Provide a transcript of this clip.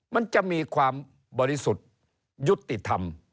มันจะมีความบริสุทธิ์ยุติธรรม